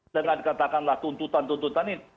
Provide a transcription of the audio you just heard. dengan katakanlah tuntutan tuntutan ini